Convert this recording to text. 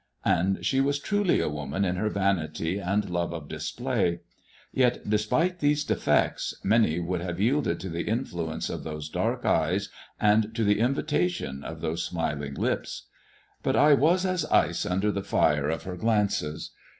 And she was truly a woman in her vanity and love of display. Yet, despite these defects, many would have yielded to the influence of those dark eyes and to the Mir COtJStK FROM FRANCfi 375 invitation of those smiling lips. But I was as ice under the fire of her glances.